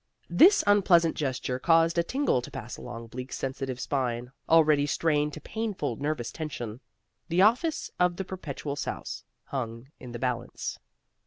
This unpleasant gesture caused a tingle to pass along Bleak's sensitive spine, already strained to painful nervous tension. The office of the Perpetual Souse hung in the balance.